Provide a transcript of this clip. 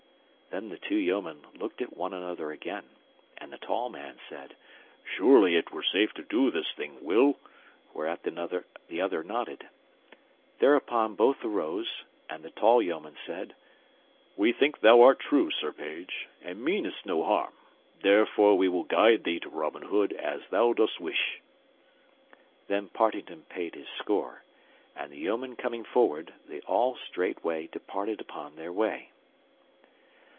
Then the two yeomen looked at one another again, and the tall man said, "Surely it were safe to do this thing, Will;" whereat the other nodded. Thereupon both arose, and the tall yeoman said, "We think thou art true, Sir Page, and meanest no harm, therefore we will guide thee to Robin Hood as thou dost wish." Then Partington paid his score, and the yeomen coming forward, they all straightway departed upon their way.